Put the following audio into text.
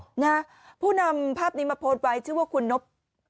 นะฮะผู้นำภาพนี้มาโพสต์ไว้ชื่อว่าคุณนบ